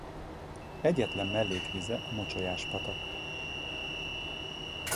Egyetlen mellékvize a Mocsolyás-patak.